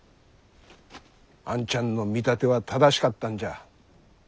アンちゃんの見立ては正しかったんじゃ。